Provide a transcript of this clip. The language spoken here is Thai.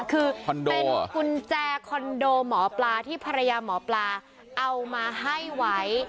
คือเป็นกุญแจคอนโดหมอปลาที่ภรรยาหมอปลาเอามาให้ไว้